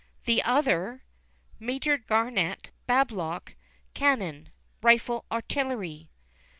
The other: "Major Garnet Babelock Cannon, RIFLE ARTILLERY."